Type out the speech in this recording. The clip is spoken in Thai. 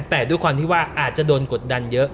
แต่ด้วยความที่ว่าอาจจะโดนกดดันเยอะ